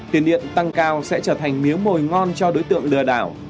tiền điện tăng cao sẽ trở thành miếng mồi ngon cho đối tượng lừa đảo